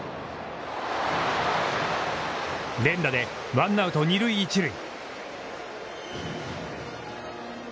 連打でワンアウト二塁一塁。